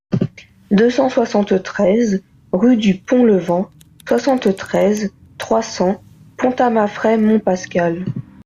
deux cent soixante-treize rue du Pont Levant, soixante-treize, trois cents, Pontamafrey-Montpascal